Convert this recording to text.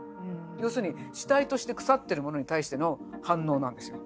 要するに死体として腐ってるものに対しての反応なんですよ。